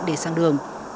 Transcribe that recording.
để sang đường